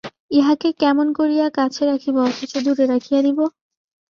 ইহাকে কেমন করিয়া কাছে রাখিব, অথচ দূরে রাখিয়া দিব?